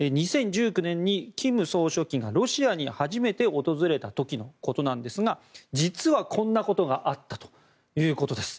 ２０１９年に金総書記がロシアに初めて訪れた時のことなんですが実はこんなことがあったということです。